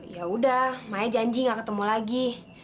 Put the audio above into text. ya udah maya janji nggak ketemu lagi